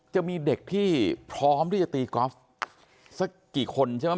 จะมีเด็กที่พร้อมที่จะตีกอล์ฟสักกี่คนใช่ไหม